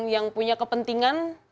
yang punya kepentingan